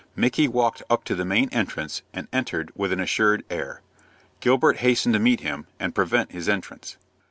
Micky walked up to the main entrance, and entered with an assured air. Gilbert hastened to meet him, and prevent his entrance.